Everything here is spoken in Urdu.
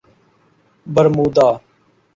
برمودا